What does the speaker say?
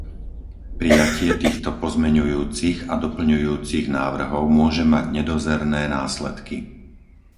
Prijatie týchto pozmeňujúcich a doplňujúcich návrhov môže mať nedozerné následky.